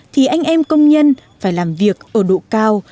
thì anh em công nhân phải làm việc ở độ cao